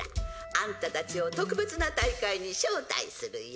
アンタたちを特別な大会に招待するよ。